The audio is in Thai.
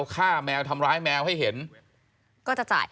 ฆ่าแมวทำร้ายแมวให้เห็นก็จะจ่าย